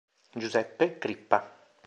Giuseppe Crippa